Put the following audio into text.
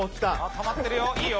たまってるよいいよ。